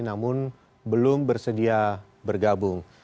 namun belum bersedia bergabung